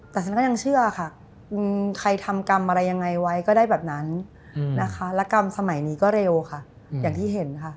แต่ฉันก็ยังเชื่อค่ะใครทำกรรมอะไรยังไงไว้ก็ได้แบบนั้นนะคะและกรรมสมัยนี้ก็เร็วค่ะอย่างที่เห็นค่ะ